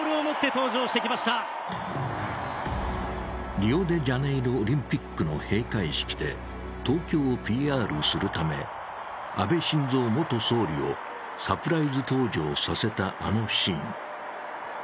リオデジャネイロオリンピックの閉会式で東京をＰＲするため安倍晋三元総理をサプライズ登場させた、あのシーン。